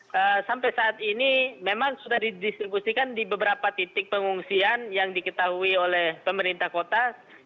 dan sampai saat ini memang sudah didistribusikan di beberapa titik pengungsian yang diketahui oleh pemerintah kota